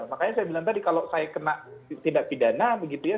makanya saya bilang tadi kalau saya kena tindak pidana begitu ya